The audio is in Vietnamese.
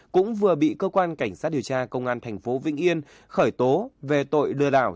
cũng vừa bị cơ quan cảnh sát điều tra công an thành phố vĩnh yên khởi tố về tội lừa đảo